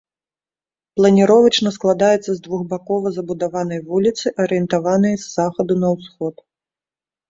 Планіровачна складаецца з двухбакова забудаванай вуліцы, арыентаванай з захаду на ўсход.